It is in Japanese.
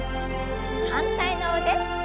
反対の腕。